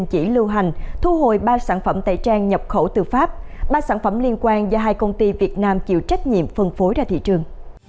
các sản phẩm liên quan do hai công ty việt nam chịu trách nhiệm phân phối ra thị trường